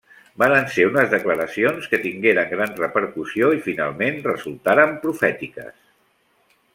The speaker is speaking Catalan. Varen ser unes declaracions que tingueren gran repercussió i finalment resultaren profètiques.